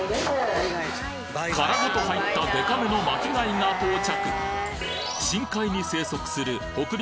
殻ごと入ったデカめの巻き貝が到着！